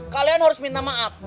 kalian harus minta maaf